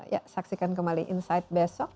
ya saksikan kembali insight besok